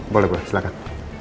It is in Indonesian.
boleh bu silahkan